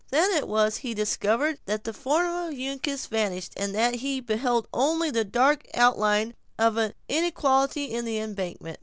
Then it was he discovered that the form of Uncas vanished, and that he beheld only the dark outline of an inequality in the embankment.